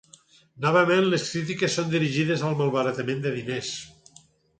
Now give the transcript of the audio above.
Novament, les crítiques són dirigides al malbaratament de diners.